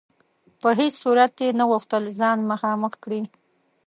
په هیڅ صورت یې نه غوښتل ځان مخامخ کړي.